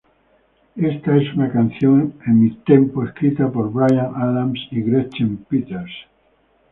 Esta es una canción en Midtempo escrita por Bryan Adams y Gretchen Peters.